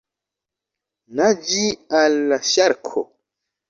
Naĝi al la ŝarko!